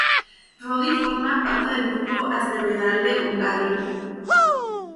Roddy forma parte del grupo asteroidal de Hungaria.